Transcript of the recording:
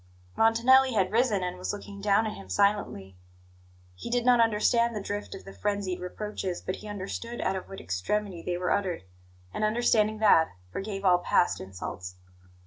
Montanelli had risen, and was looking down at him silently. He did not understand the drift of the frenzied reproaches, but he understood out of what extremity they were uttered; and, understanding that, forgave all past insults.